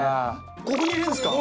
ここに入れるんですか？